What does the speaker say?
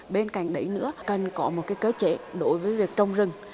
bên cạnh đấy nữa cần có một cơ chế đối với việc trồng rừng